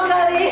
puji allah gali